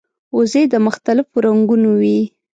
وزې د مختلفو رنګونو وي